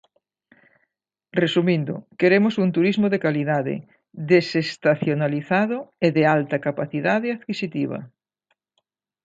Resumindo, queremos un turismo de calidade, desestacionalizado e de alta capacidade adquisitiva.